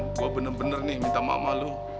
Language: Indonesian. gue bener bener minta maaf sama lu